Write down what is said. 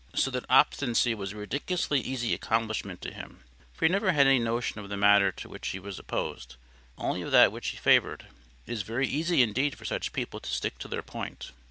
So that obstinacy was a ridiculously easy accomplishment to him. For he never had any notion of the matter to which he was opposed—only of that which he favoured. It is very easy indeed for such people to stick to their point.